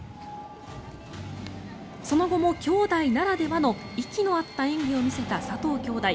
その後も姉弟ならではの息の合った演技を見せた佐藤姉弟。